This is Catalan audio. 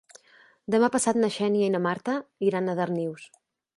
Demà passat na Xènia i na Marta iran a Darnius.